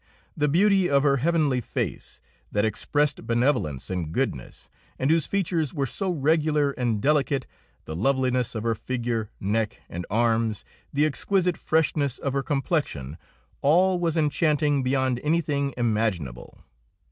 The beauty of her heavenly face, that expressed benevolence and goodness, and whose features were so regular and delicate, the loveliness of her figure, neck, and arms, the exquisite freshness of her complexion all was enchanting beyond anything imaginable.